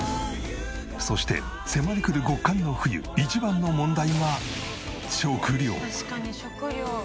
そして迫り来る極寒の冬一番の問題が食料。